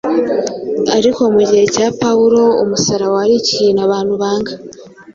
Ariko mu gihe cya Pawulo umusaraba wari ikintu abantu banga